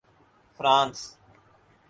France